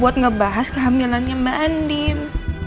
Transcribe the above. buat ngebahas kehamilannya mbak andin